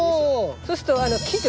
そうすると鬼女。